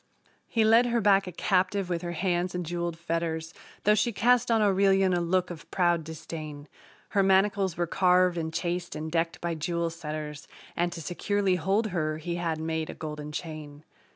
He led her back a captive with her hands in jeweled fetters, Though she cast on Aurelian a look of proud disdain; Her manacles were carved and chased and decked by jewel setters, And to securely hold her he had made a golden chain.